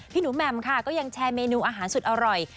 หนูแหม่มค่ะก็ยังแชร์เมนูอาหารสุดอร่อย